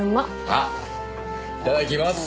あっいただきます。